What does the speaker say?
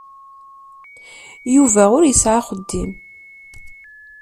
Yuba ur yesɛi axeddim.